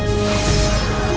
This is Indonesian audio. semoga membuatmu sembuh